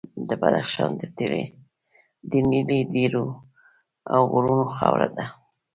بدخشان د نیلي ډبرو او غرونو خاوره ده.